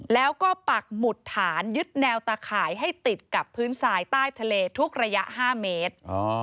แล้วก็ปักหมุดฐานยึดแนวตะข่ายให้ติดกับพื้นทรายใต้ทะเลทุกระยะ๕เมตร